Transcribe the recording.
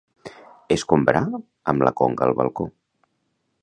Escombrar amb la conga el balcó.